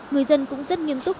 người dân cũng rất nghiêm túc